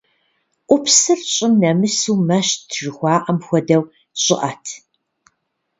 Ӏупсыр щӀым нэмысыу мэщт жыхуаӏэм хуэдэу щӏыӏэт.